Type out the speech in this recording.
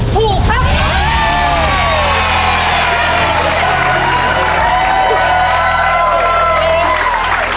ถูกครับ